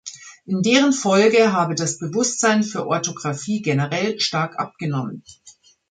In deren Folge habe das Bewusstsein für Orthographie generell stark abgenommen.